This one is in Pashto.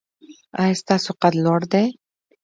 ایا ستاسو قد لوړ دی؟